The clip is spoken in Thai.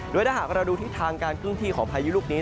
โดยถ้าหากเราดูทิศทางการเคลื่อนที่ของพายุลูกนี้